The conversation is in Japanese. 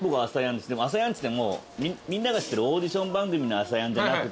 でも『浅ヤン』っつってもみんなが知ってるオーディション番組の『浅ヤン』じゃなくて。